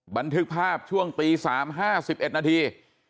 บันทึกภาพช่วงตี๓๕๑นาที